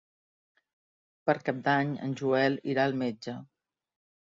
Per Cap d'Any en Joel irà al metge.